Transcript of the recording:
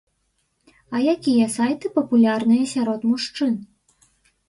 А якія сайты папулярныя сярод мужчын?